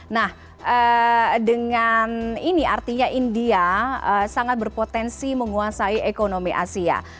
nah dengan ini artinya india sangat berpotensi menguasai ekonomi asia